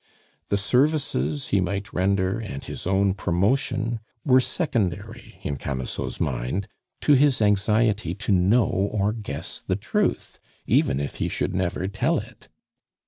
The services he might render and his own promotion were secondary in Camusot's mind to his anxiety to know or guess the truth, even if he should never tell it.